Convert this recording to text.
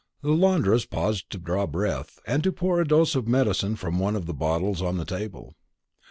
The laundress paused to draw breath, and to pour a dose of medicine from one of the bottles on the table.